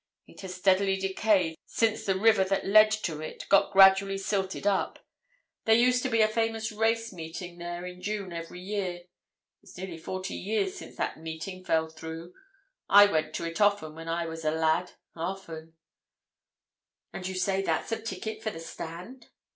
It has steadily decayed since the river that led to it got gradually silted up. There used to be a famous race meeting there in June every year. It's nearly forty years since that meeting fell through. I went to it often when I was a lad—often!" "And you say that's a ticket for the stand?"